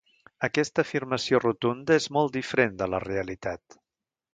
Aquesta afirmació rotunda és molt diferent de la realitat.